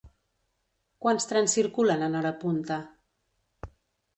Quants trens circulen en hora punta?